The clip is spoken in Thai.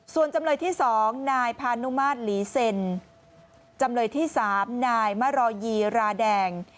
ส่วนจำเลยที่๒นายพานุมาตรหลีเซ็นจำเลยที่๓นายมารอยีราแดง